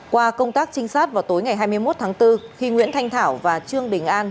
qua công tác trinh sát vào tối ngày hai mươi một tháng bốn khi nguyễn thanh thảo và trương đình an